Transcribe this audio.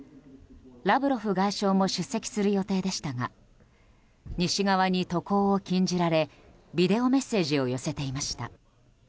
ラブロフ外相も出席する予定でしたが西側に渡航を禁じられビデオメッセージを寄せていました。